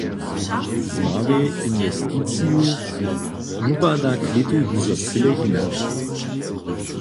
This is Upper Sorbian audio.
Z małej inwesticiju wupada klětu hižo cyle hinak.